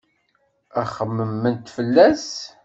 Ad xemmement fell-as.